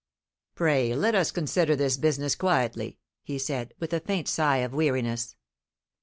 "Pray let us consider this business quietly," he said, with a faint sigh of weariness.